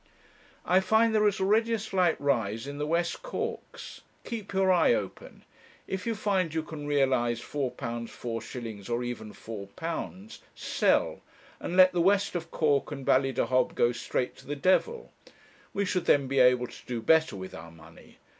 'I find there is already a slight rise in the West Corks. Keep your eye open. If you find you can realize £4 4s. or even £4, sell, and let the West of Cork and Ballydehob go straight to the devil. We should then be able to do better with our money.